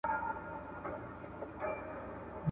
داسې لکه خبرې چې کوئ.